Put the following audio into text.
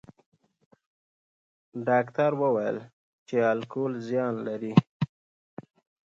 ډاکټر وویل چې الکول زیان لري.